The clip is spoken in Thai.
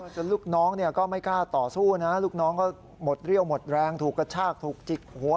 ลูกน้องก็ไม่กล้าต่อสู้นะลูกน้องก็หมดเรี่ยวหมดแรงถูกกระชากถูกจิกหัว